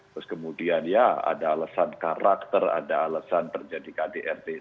terus kemudian ya ada alasan karakter ada alasan terjadi kdrt